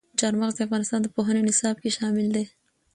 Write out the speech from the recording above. چار مغز د افغانستان د پوهنې نصاب کې شامل دي.